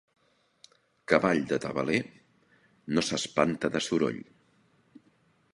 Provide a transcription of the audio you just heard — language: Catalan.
Cavall de tabaler, no s'espanta de soroll.